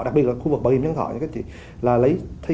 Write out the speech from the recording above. đặc biệt là khu vực bảo hiểm dân thọ